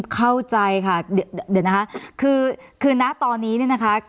เข้าใจค่ะเดี๋ยวนะคะคือนะตอนนี้เนี่ยนะคะ